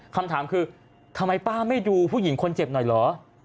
คำถามคือทำไมป้าไม่ดูผู้หญิงคนเจ็บหน่อยเหรอ